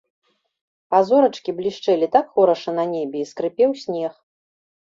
А зорачкі блішчэлі так хораша на небе, і скрыпеў снег.